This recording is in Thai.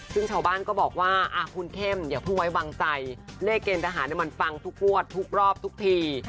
ซึ่งชาวบ้านก็บอกว่าคุณเข้มอย่าเพิ่งไว้วางใจเลขเกณฑหารมันฟังทุกงวดทุกรอบทุกที